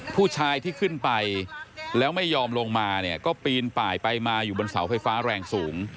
ผู้ชายที่ขึ้นไปแล้วไม่ยอมลงมาเนี่ยก็ปีนป่ายไปมาอยู่บนเสาไฟฟ้าแรงสูง